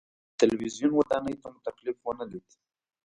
د تلویزیون ودانۍ ته مو تکلیف ونه لید.